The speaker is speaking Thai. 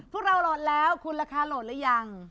พวกเราโหลดแล้วคุณราคาโหลดหรือยัง